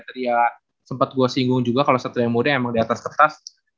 tadi ya sempat gue singgung juga kalau satu yang muda emang di atas kertas